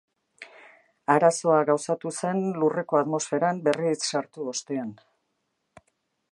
Arazoa gauzatu zen lurreko atmosferan berriz sartu ostean.